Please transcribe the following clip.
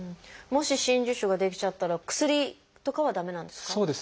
もし真珠腫が出来ちゃったら薬とかは駄目なんですか？